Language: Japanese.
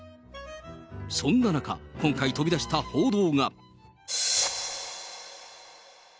そんな中、今回飛び出した報道が。